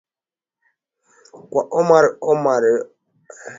kama Omari Omari uliopenya mkondo wa muziki wa Singeli ulianza kuchezwa zaidi miaka miwili